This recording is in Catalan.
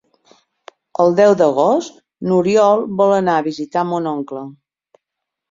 El deu d'agost n'Oriol vol anar a visitar mon oncle.